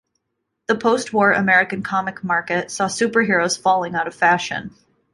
The post-war American comic market saw superheroes falling out of fashion.